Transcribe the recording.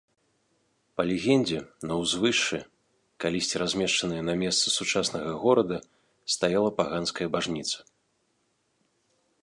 Па легендзе, на ўзвышшы, калісьці размешчанае на месцы сучаснага горада, стаяла паганская бажніца.